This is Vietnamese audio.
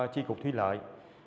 tri cục thủy lợi